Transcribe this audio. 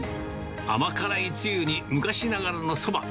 甘辛いつゆに、昔ながらのそば。